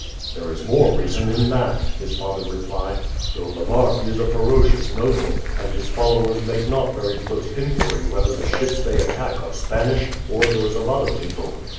"There is more reason in that," his father replied; "though La Marck is a ferocious noble, and his followers make not very close inquiry whether the ships they attack are Spanish or those of other people.